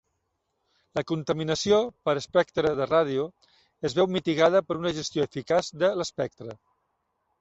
La contaminació per espectre de ràdio es veu mitigada per una gestió eficaç de l'espectre.